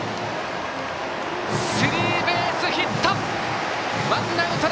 スリーベースヒット！